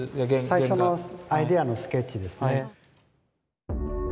最初のアイデアのスケッチですね。